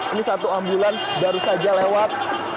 ini satu ambulans baru saja lewat